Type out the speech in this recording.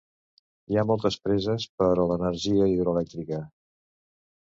Hi ha moltes preses per a l'energia hidroelèctrica.